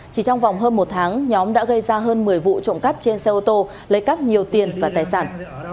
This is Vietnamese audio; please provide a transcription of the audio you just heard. chỉ trong vòng hơn một tháng nhóm đã gây ra hơn một mươi vụ trộm cắp trên xe ô tô lấy cắp nhiều tiền và tài sản